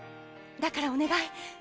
だからお願い。